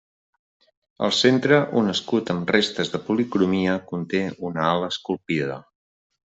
Al centre un escut amb restes de policromia conté una ala esculpida.